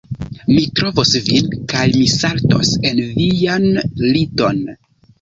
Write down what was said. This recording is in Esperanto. Mi trovos vin kaj mi saltos en vian liton